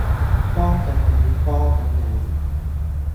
幫緊你幫緊你